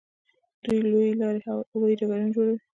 دوی لویې لارې او هوایي ډګرونه جوړوي.